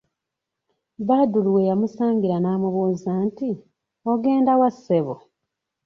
Badru we yamusangira n'amubuuza nti "ogenda wa ssebo?"